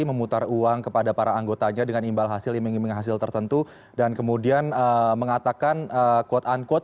memutar uang kepada para anggotanya dengan imbal hasil iming iming hasil tertentu dan kemudian mengatakan quote unquote